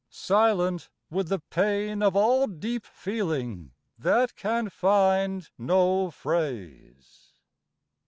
silent with the pain Of all deep feeling, that can find no phrase.